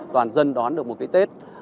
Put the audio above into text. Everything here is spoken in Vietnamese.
toàn dân đón được một cái tết